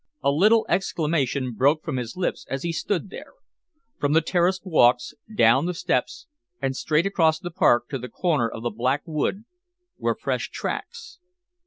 A little exclamation broke from his lips as he stood there. From the terraced walks, down the steps, and straight across the park to the corner of the Black Wood, were fresh tracks.